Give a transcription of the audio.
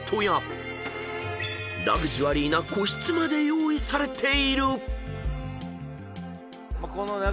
［ラグジュアリーな個室まで用意されている］